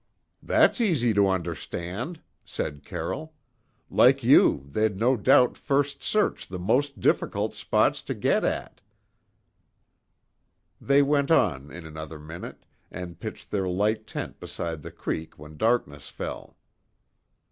"That's easy to understand," said Carroll. "Like you, they'd no doubt first search the most difficult spots to get at." They went on in another minute, and pitched their light tent beside the creek when darkness fell.